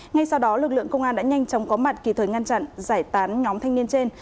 ngay sau đó lực lượng công an đã nhanh chóng có mặt kịp thời ngăn chặn giải tán nhóm thanh niên trên